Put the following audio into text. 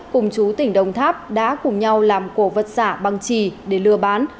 cùng chú tỉnh đồng tháp đã cùng nhau làm cổ vật giả bằng trì để lừa bán